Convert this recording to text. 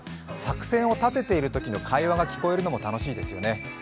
作戦を立てているときの会話が聞こえるのも楽しいですよね。